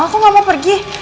aku gak mau pergi